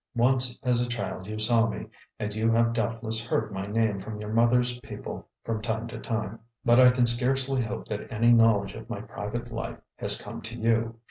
Once as a child you saw me, and you have doubtless heard my name from your mother's people from time to time; but I can scarcely hope that any knowledge of my private life has come to you.